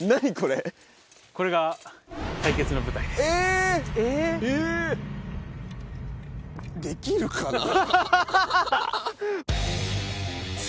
これが対決の舞台です。